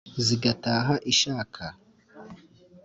zigataha ishakaka